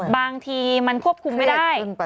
บางทีมันควบคุมไม่ได้